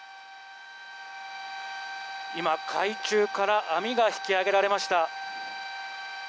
今、海中から網が引き揚げられました。